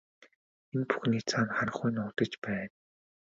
Энэ бүхний цаана харанхуй нуугдаж байна.